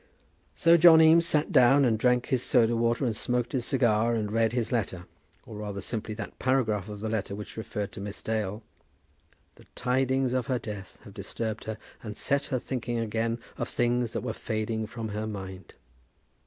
So John Eames sat down, and drank his soda water, and smoked his cigar, and read his letter; or rather, simply that paragraph of the letter which referred to Miss Dale. "The tidings of her death have disturbed her, and set her thinking again of things that were fading from her mind."